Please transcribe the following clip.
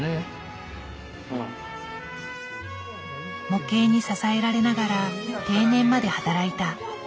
模型に支えられながら定年まで働いた。